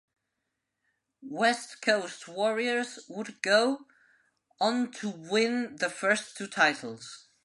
West Coast Warriors would go on to win the first two titles.